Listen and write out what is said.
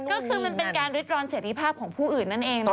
ก็คือมันเป็นการริดร้อนเสร็จภาพของผู้อื่นนั่นเองนะคะ